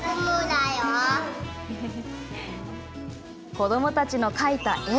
子どもたちの描いた絵。